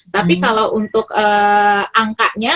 tapi kalau untuk angkanya